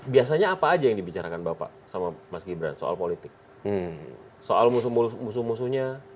biasanya apa aja yang dibicarakan bapak sama mas gibran soal politik soal musuh musuhnya